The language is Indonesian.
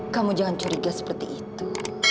kamu jangan curiga seperti itu